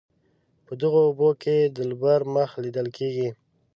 په دغو اوبو کې د دلبر مخ لیدل کیږي.